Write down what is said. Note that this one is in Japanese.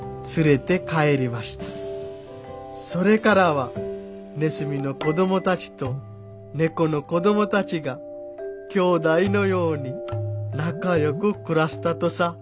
それからはネズミの子供たちと猫の子供たちが兄弟のように仲よく暮らしたとさ」。